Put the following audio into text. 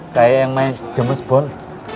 kayak yang main james bond